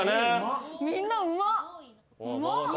みんなうまっ！